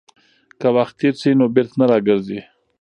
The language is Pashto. که وخت تېر شي نو بېرته نه راګرځي.